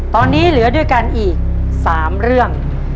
ตอนนี้เหลือด้วยกันอีก๓เรื่อง